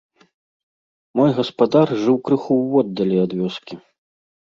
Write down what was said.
Мой гаспадар жыў крыху ўводдалі ад вёскі.